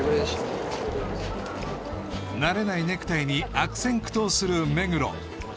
慣れないネクタイに悪戦苦闘する目黒